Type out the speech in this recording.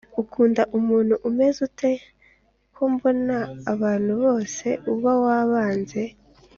Ukunda umuntu umezute kombona abantu bose uba wabanze